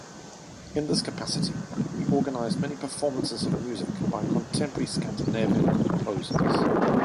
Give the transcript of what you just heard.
In this capacity, he organised many performances of music by contemporary Scandinavian composers.